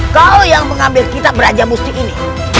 kau yang mengambil kitab raja musti ini